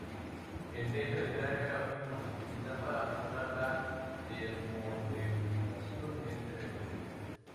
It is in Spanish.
El techo del cráneo era fino, quizás para mejorar la termorregulación del cerebro.